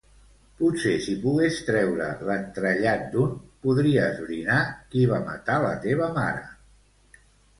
Potser si pogués treure l'entrellat d'un, podria esbrinar qui va matar la teva mare.